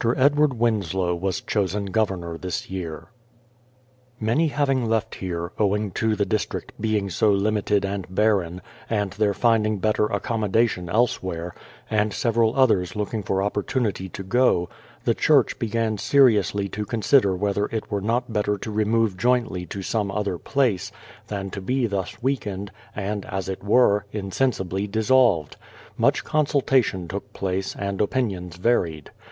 Edward Winslow was chosen governor this year. Many having left here, owing to the district being so limited and barren, and their finding better accommodation elsewhere, — and several others looking for opportunity to go, the church began seriously to consider whether it were not better to remove jointly to some other place, than to be thus weakened, and, as it were, insensibly dissolved. Much consultation took place, and opinions varied.